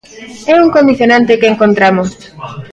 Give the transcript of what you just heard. É un condicionante que encontramos.